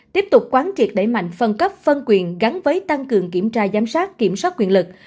tiếp tục quán triệt đẩy mạnh phân cấp phân quyền gắn với tăng cường kiểm tra giám sát kiểm soát quyền lực